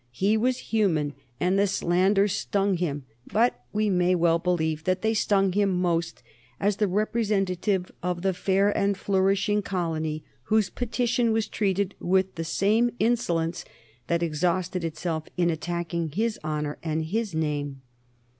He was human and the slanders stung him, but we may well believe that they stung him most as the representative of the fair and flourishing colony whose petition was treated with the same insolence that exhausted itself in attacking his honor and his name.